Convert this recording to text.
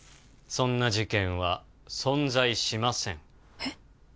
そんな事件は存在しませんえっ？